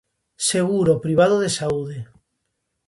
Seguro privado de saúde.